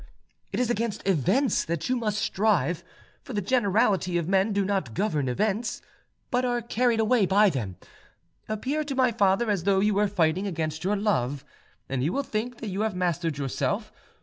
It is against events that you must strive; for the generality of men do not govern events, but are carried away by them. Appear to my father as though you were fighting against your love, and he will think that you have mastered yourself.